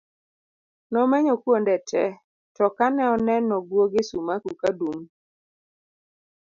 nomenyo kuonde te to ka ne oneno gwoge Sumaku kadum